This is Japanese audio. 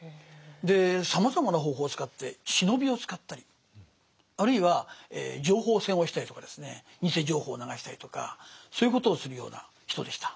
さまざまな方法を使って忍びを使ったりあるいは情報戦をしたりとかですね偽情報を流したりとかそういうことをするような人でした。